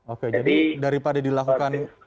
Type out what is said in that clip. oke jadi daripada dilakukan